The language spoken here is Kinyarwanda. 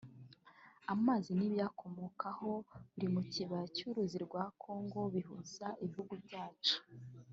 Amazi n’ibiyakomokaho biri mu Kibaya cy’Uruzi rwa Congo bihuza ibihugu byacu